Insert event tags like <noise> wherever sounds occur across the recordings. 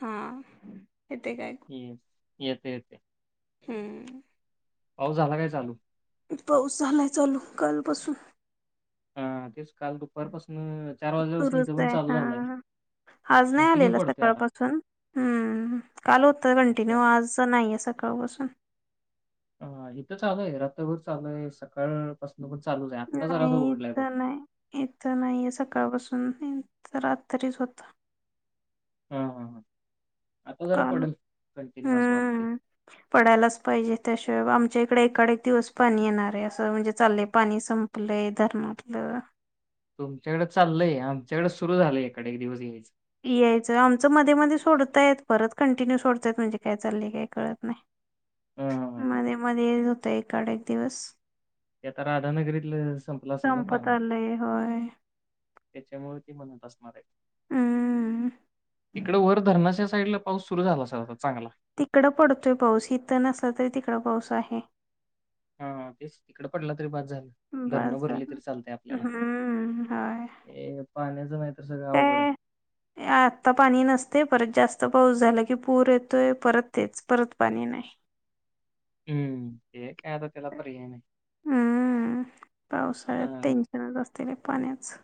हा. येते काय ये येत येत हम्म. पाऊस झाला काय चालू? पाऊस झालाय चालू कालपासून. अ, तेच काल दुपारपासून वाजल्यापासून इथं पण <unintelligible> चालू झालाय. हा आज नाही कंटिन्यू आलेला पडतोय आता. सकाळपासून, हम्म काल होत अच्छा. कंटिन्यू आज नाहीये सक कापासून हा हिथ चालू हाय रात्रभर चालूय सकाळ पाासन पण चालूच आहे. आत्ता नाही जरासा उघडलाय इथ बघ. नाही इथं नाहीये सकाळपासून. रात्रीच होता हा हम हा <inaudible> काल वाटतंय. हम्म पडायलाच पाहिजे. त्याशिवाय आमच्या इकडे एक आड एक दिवस पाणी येणार आहे असं म्हणजे चाललंय पाणी संपलंय धरणातलं तुमच्याकडे चालय आमच्याकडे सुरु झालंय ईकडे एक दिवस यायचं यायचं आमचं मध्ये मध्ये सोडताय परत कंटिन्यू सोडतायत. म्हणजे काय चाललेय काय कळत नाही. हां, हां, हां, हां. मध्ये मध्ये होत एक आड एक दिवस ते आता राधानगरीत संपलं असेल ना संपत पाणी आलंय होय त्याच्यामुळे हम्म इकडे वर धरणाच्या साईड ला पाऊस सुरू झाला असल चांगला तिकडं पडतोय पाऊस इथं नसला तरी तिकडं पाऊस आहे. हा तेच तिकड पडलं तर झाले धरण बस भरली झालं. तरी चालत आपल्याला हम्म होय पाण्याच नाही अवघड आहे. आत्ता पाणी नसते परत जास्त जास्त पाऊस झाला की पूर येतोय परत तेच परत पाणी नाही. हम्म ते काय आता त्याला पर्याय नाही. हम्म पावसाळ्यात हां, टेन्शनच असते. पाण्याचे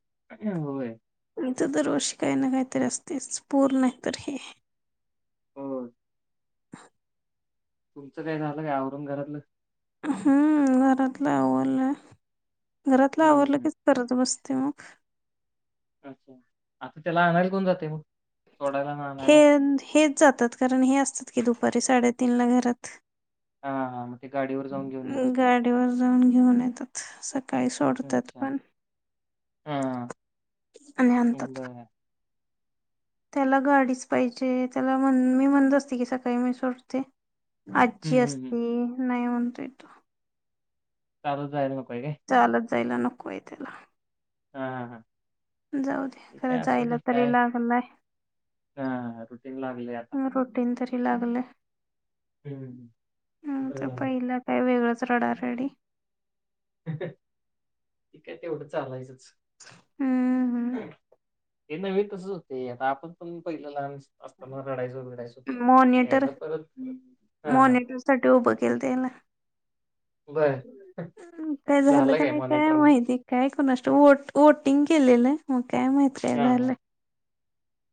<inaudible> इथ दरवर्षी काही ना काहीतरी असतेच पूर नाही तर हे हो, <inaudible> तुमचं काय झालं काय आवरून घरातलं, हम्म घरातलं आवरलं घरातलं हं, हं, आवरलं हं. की च करत बसते. ते मग अच्छा आता त्याला आणायला कोण जाते मग. सोडायला आणि हे आणायला? हेच जातात कारण हे असतात की दुपारी साडेतीन ला घरात हां, हां. मग ते गाडीवर जाऊन घेऊन येत असतील. गाडीवर जाऊन घेऊन येतात. काही सोडतात अच्छा. पण हां, आणि हां. आणतात. बरं. त्याला गाडीच पाहिजे त्याला म्हणल मी म्हणत असते की सकाळी मी सोडते. आज्जी हं, हं, हं. असती नाही म्हणतोय तो, चालत जायला नको. आहे काय? चालत जायला नको आहे त्याला, हा हा हा. जाऊ दे खरं जायला तरी लागलाय. हा रुटीन लागले आता, लागले. हं, हम बरं तर झालं. पहिलं काय वेगळच रडा रडी ठीक आहे. तेवढं चालायचंच. हम्म हम्म ते नव्हे तसच होते आता आपण पण पहिलं लहान असता मग रडायचो रिडायचो मॉनिटर एकदा परत हां, हां. मॉनिटर साठी उभं केलं त्याला, बरं. ह् काय झालं का नाही काय माहिती काय कोणास वोटिंग केलेलं आहे. हा हा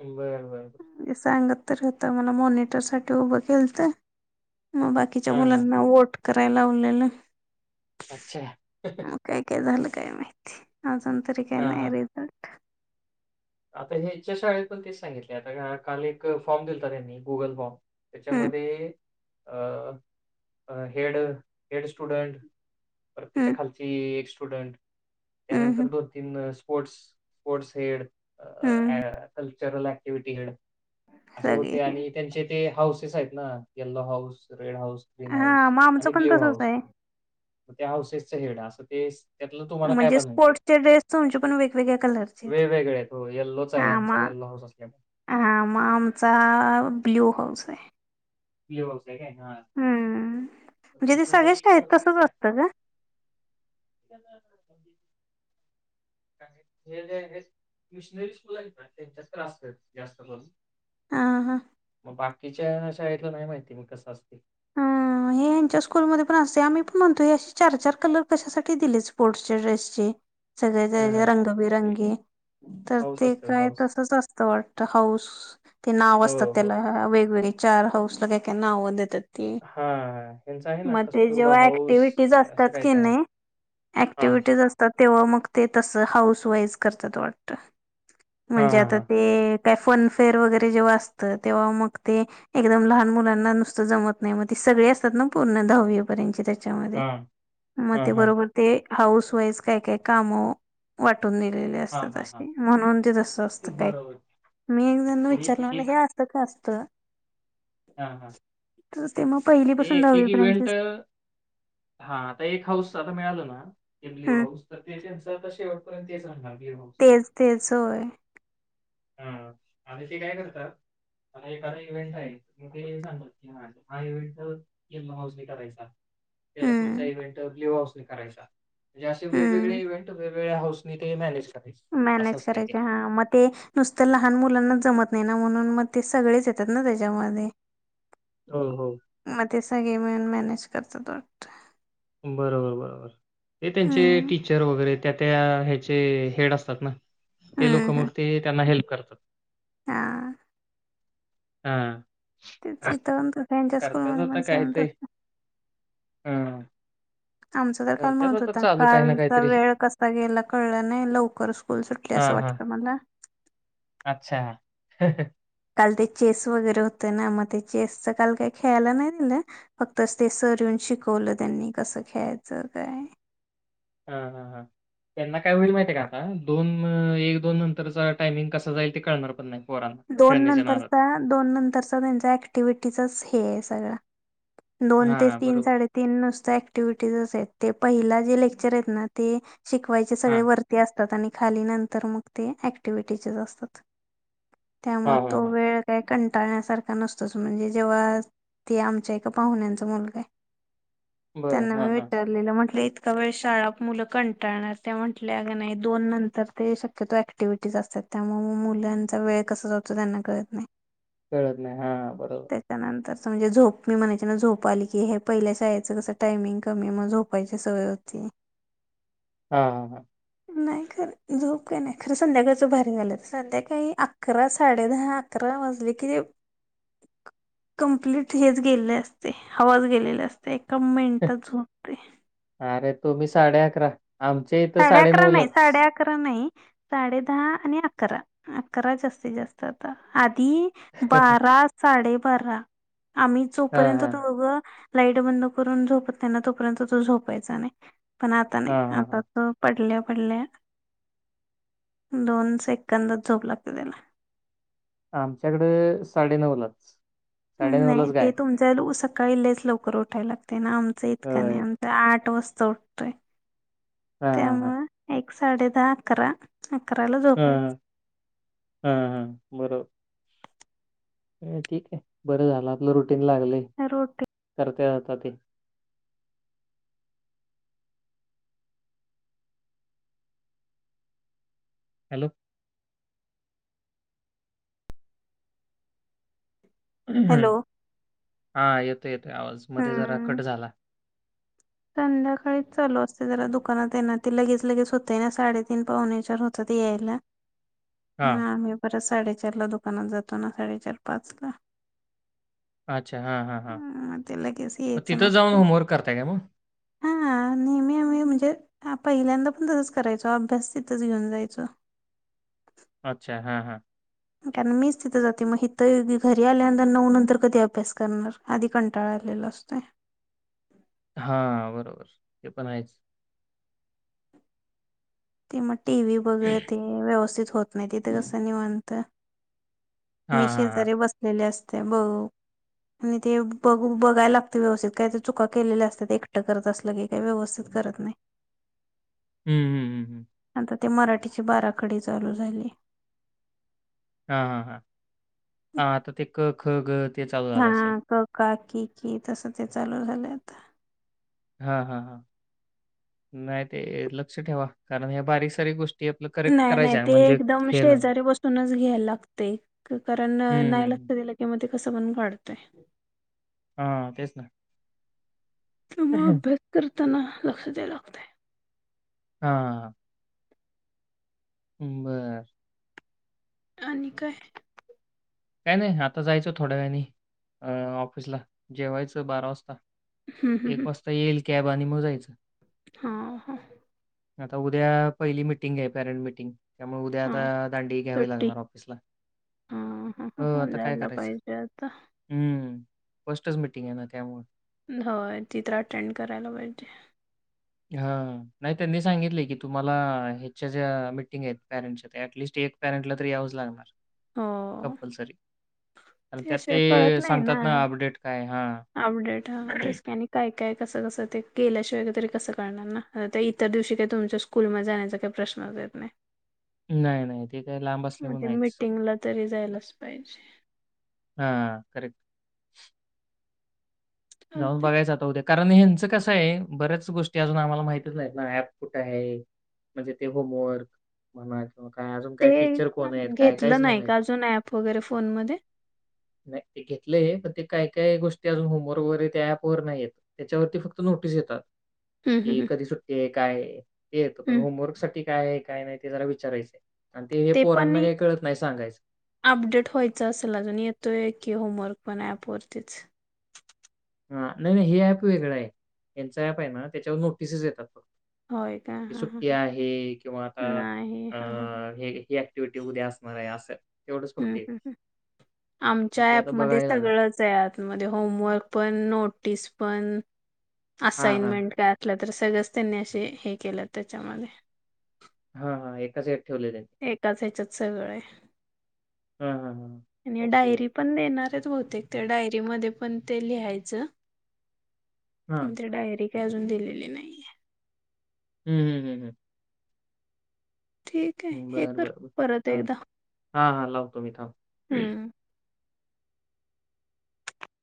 बर बर. म्हणजे सांगत तर होता मला मॉनिटर साठी उभं केलंत मग बाकीच्या हां, हां. मुलांना वोट करायला लावलेलं अच्छा मग काय काय झालं काय माहिती अजून तरी काही हां, नाही हां. रिझल्ट आता हेच्या शाळेत पण तेच सांगितले आता काल एक फॉर्म दिल हो त्यांनी गुगल फॉर्म हम्म त्याच्यामध्ये अ हेड हेड स्टुडंट परत त्याच्या हम्म खालची एक स्टुडंट हम्म त्यानंतर हम्म दोन तीन स्पोर्ट, स्पोर्टस हेड, हम्म कल्चरल ॲक्टिव्हिटी हेड असे सगळे होते हे आणि त्यांचे ते हाऊसेस आहेत ना yellow house red house, green हा हाऊस मग आमचं आणि पण ब्ल्यू तसच हाऊस आहे त्या हाऊसेसच हेड असं ते त्यातलं तुम्हाला काय म्हणजे बनायचंय? स्पोर्ट्सचे ड्रेस तुमचे पण वेगवेगळ्या कलरचे आहेत. वेगवेगळे आहेत हो येल्लोचा आहे हा म ह्यांचा येल्लो हाऊस असल्यामुळे. हा मग आमचा ब्ल्यू हाऊस आहे. ब्लू हाउस आहे काय हा हम्म म्हणजे त्यांच ते <inaudible> <inaudible> सगळ्या शाळेत तसंच असतं का? हे जे आहेत मशनरी स्कूल आहेत ना त्यांच्यात त्रास जास्त करून हा हा मग बाकीच्या शाळेतलं नाही माहिती मी कस असतय. आमच्या स्कूल मधे पण असते आम्ही पण म्हणतोय चार चार कलर कशासाठी दिले स्पोर्टसच्या ड्रेसचे सगळे हां, ते रंगबिरंगी तर हाऊस ते असतं काय हाऊस. तसच असतं वाटत हाऊस ते नाव हो, असतात हो. त्याला वेगवेग चार हाऊस ला काय काय नाव देतात. ते. हा ह्यांच आहे ना मग ते कस्तुरबा जेव्हा हाऊस असं काय का आहे हां, ऍक्टिव्हटीज असतात तेव्हा मग ते तसं हाऊस वाईज करतात वाटत म्हणजे आ हां, हां, ते काय फनफेअर वगैरे जेव्हा असतं तेव्हा मग ते एकदम लहान मुलांना नुसतं जमत नाही म ते सगळे असतात ना पूर्ण दहावी पर्यंतचे त्याच्यामध्ये हां, मग हां, ते हां, बरोबर ते हाऊस वाईज काय काय काम वाटत करून दिलेले हां, असतात हां, हां. अशी म्हणून ते तस असतं काय बरोबर. मी एक जणला विचारलंलं हे असं का असतं हा हा तर ते मग ते पहिलीपासून एक एक इव्हेंट दहावीपर्यंतचेच हा आता एक हाऊस आता मिळालं ना ब्ल्यू हम्म हाऊस तर ते त्यांच आता शेवटपर्यंत सांगा तेच तेच होय. हा आणि ते काय करतात मला एखाद इव्हेंट आहे काही सांगत की माझ हा इव्हेंट तर हाऊसने करायचा त्याचा पुढचा हम्म इव्हेंट ब्ल्यू हाउस करायचा असे हम्म वेगवेगळे इव्हेंट वेगवेगळ्या हऊस ते मॅनेज करायचे. असं मॅनेज असते ते. करायचे हा मग ते नुसत लहान मुलांना जमत नाही ना म्हणून मग ते सगळेच येतात ना त्याच्यामध्ये हो, हो. म ते सगळे मिळून मॅनेज करतात वाटत बरोबर बरोबर ते त्यांचे हम्म टीचर वगैरे त्या त्या ह्याचे हेड असतात ना ते हम्म लोक हम्म मग ते त्यांना हेल्प करतात हा हा तेच इथ आणि त्याच्या स्कूल मधे पण सेम तस हम् आमच तर काल म्हणत होता कालचा काहीतरी. वेळ कसा गेला कळला नाही लवकर स्कूल सुटले असं हां, हां. वाटत म्हणला अच्छा काल चेस वगैरे होते ना मग ते चेसच काल काय खेळायला नाही दिलं फक्त ते सर शिकवलं त्यांनी कसं खेळायचं काय हा हा हा त्यांना काय होईल माहितीय का आता दोन एक दोन नंतरचा टायमिंग कस जाईल ते कळणार पण नाही पोरांना दोन खेळण्याच्या नादात. नंतरचा दोन नंतरचा त्यांचा ऍक्टिव्हटीचाच दोन ते हां, तीन बरोबर. साडेतीन नुसत ऍक्टिव्हटीज आहे ते पहिला जे लेक्चर आहेत ना ते शिकवायचे सगळे हां. वरती अस आणि खाली नंतर मग ते ऍक्टिव्हटीचेच असतात. त्यामुळे हां, हां, तो हां. वेळ काय? कंटाळण्यासारखा नसतोच म्हणजे जेव्हा ते आमच्या एका पाहुण्यांचा मुलगा आहे. बरं. त्यांना हां, मी हां. विचारलेलं म्हटलं वेळ शाळा मुलं कंटाळणार त्या म्हटल्या अगं नाही दोन नंतर ते शक्यतो ऍक्टिव्हिटीज असतात. त्यामुळे मग मुलांचा वेळ कसा जातो त्यांना कळत नाही. कळत नाही हा बरोबर. त्याच्यानंतरच म्हणजे झोप मी म्हणायच्या ना झोप आली की हे पहिल्या शाळेचं कसं टायमिंग कमी मग झोपायची सवय होती. हा हा हा नाही खरं झोप काय नाही खरं संध्याकाळचं बाहेर झालं तर संध्याकाळी अकरा साडे दहा अकरा वाजले कि ते कंप्लीट हेच गेले असते हवाच गेलेली असते. एका मिनिटात झोपते. अरे तुम्ही साडे अकरा साडेअकरा नाही साडे अकरा नाही साडे दहा आणि अकरा, अकरा जास्तीत जास्त आता. ती बारा साडेबारा आम्ही हां, जोपर्यंत हां. दोघं लाईट बंद करून झोपत नाही ना तोपर्यंत तो झोपायचा नाही पण आता नाही हां, हां, हां. आता तो पडल्या पडल्या दोन सेकंदांत झोप लागते त्याला आमच्याकड साडेनऊलाच नाही ते तुमचा सकाळी लयच लवकर उठायला लागत. आमच इतकं नाही होय. आमच आठ वाजता उठतय हां, हां, हां. त्त्यामुळे साडे दहा- अकरा. अकराला झोपायच. हां, हां, हां. बरोबर. ठीक आहे बरं झालं आपलं रुटीन लागले रोटी करतय आता ते. हॅलो ह् हॅलो हा येतो येतोय आवाज मध्ये जरा कट झाला. संध्याकाळी चालू असते जरा दुकानात येणार ते लगेच लगेच होते ना साडेतीन पाहुणेच्याार होतात ते येईला. हां. ना आम्ही परत साडेचार ला दुकानात जातो ना साडेचार पाच ला अच्छा हा हा हा मग ते लगेच यायचं तिथं जाऊन नसतय. होमवर्क करताय का? मग? हा नेहमी आम्ही म्हणजे पहिल्यांदा पण तसच करायचो अभ्यास तिथंच घेऊन जायचो. अच्छा हा हा कारण मीच तिथं जाते मग हिथं घरी आल्यानंतर नऊ नंतर कधी अभ्यास करणार आधी कंटाळाला लेला असतोय. हा बरोबर ते पण आहेच. ते मग टी व्ही बघत व्यवस्थित होत नाही तिथे कसं निवांत. मी हां, हां, हां. शेजारी बसलेले असते ब आणि ते बघ बघायला लागत व्यवस्थित काय ते चुका केलेल्या असतात एकटं करत असलं की काय व्यवस्थित करत नाही. हम्म हम्म हम्म तर ते मराठीची बाराखडी चालू झाली. हा हा हा हा आता ते क ख ग.. ते चालू हा झालं असेल. क काकी की तसं ते चालू झालं आता. हा हा हा नाही ते लक्ष ठेवा कारण ह बारीक सारी गोष्टी.. आपलं करेक्ट नाही नाही करायच्या आहे ते म्हणजे एकदम हे ना हं, शेजारी बसूनच घ्यायला लागतय कारण नाही हं, हं. लागतय केल की म ते कस पण काढतय. हा तेच ना. तेव्हा अभ्यास करताना लक्ष द्यायला लागतय. हा हा हा. हू बरं आणि काय?. काय नाय आता जायचं थोड्या वेळानी अ ऑफिसला जेवायचं बारा वाजता. हम्म एक हम्म वाजता येईल कॅब आणि मग जायचं. हा हा. आता उद्या पहिली मिटिंग आहे पॅरेंट मिटिंग. त्यामुळ उद्या हा आता दांडी घ्यावी सुट्टी लागणार ऑफिसला. हा हा हो, जायला पाहिजे आता. हम् फस्टच मिटिंग आहे ना त्यामुळ होय ती तर अटेंड करायला पाहिजे. हा नाही त्यांनी सांगितले की तुम्हाला ह्याच्या ज्या मिटिंग आहेत पॅरंटच्या त्या ऍटलीस्ट एक एक पॅरंटला तरी यावचं लागणार. हो. कंपल्सरी कारण त्यात त्याशिवाय कळत ते नाही सांगतात ना अपडेट काय हा अपडेट हा तेच की आणि काय? काय कस कसं ते गेल्याशिवाय तरी कसं कलणार ना आता त्या इतर दिवशी काय तुमच्या स्कूल म जाण्याचा काय प्रश् श्न येत नाय. नाही, नाही. ते काय लांब म असल्यामुळे ते नाहीच. मिटिंगला तरी जायलाच पाहिजे. हा करेक्ट. जाऊन चालतंय बघायचं आता उद्या कारण ह्यांचं कसं ये बऱ्याच गोष्टी अजून आम्हाला माहितच नाहीत ना ऍप कुठ आहे? म्हणजे ते होम वर्क म्हणा म काय अजून काय ते टीचर कोण आहेत? काय घेतलं काहीच नाय नाही का माहिती अजून ऍप वगैरे फोनमध्ये नाय ते घेतलय पण ते काय काय गोष्टी अजून होमवर्क वगैरे त्या ऍपवर नाय येत त्याच्यावरती फक्त नोटीस येतात. हम्म हम्म की हम्म कधी सुट्टी आहे काय ते येत पण हम्म होमवर्क साठी काय ये? काय नाय ते जरा विचारायचंय. ते पण नी अपडेट व्हायचं असेल अजून येतोय की होमवर्क पण अँप वरतीच ह नाही नाही हे ऍप वेगळा ये यांचा ऍप आहे ना त्याच्यावर नोटिसचं येतात फक् होय का हां हां सुटी आहे किंवा आता नाही हां हां अं हे ऍक्टिव्हिटी उदया असणार ये असं. तेवढंच हम्म फक्त हम्म येतं. हम्म आमच्या ते आता ऍपमध्ये बघायला लागेल. सगळंच आहे आत मध्ये होमवर्क पण नोटीस पण हां, हां. असाइनमेंट काय असल्या तर सगळंच त्यांनी असे हे केलं त्याच्यामध्ये हा हा एकाच अँप एकाच ह्याच्यात सगळंय. हां, हां, हां. आणि ओके. डायरी पण देणार बहुतेक त्या डायरी म पण ते लिहायचं हां. ते डायरी ती अजून दिलेली नाहीये. हूं हूं हूं हूं ठीक आहे हूं हे बर कर बर परत हा एकदा हा हा लावतो मी थांब. हम्म